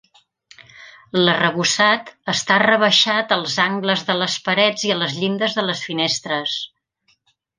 L'arrebossat està rebaixat als angles de les parets i a les llindes de les finestres.